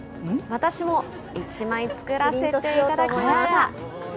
私も１枚作らせていただきました。